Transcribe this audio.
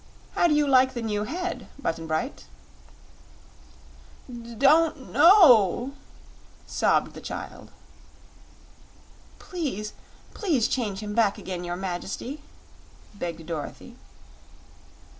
How do you like the new head, Button Bright?" "D d don't n n n know!" sobbed the child. "Please, PLEASE change him back again, your Majesty!" begged Dorothy.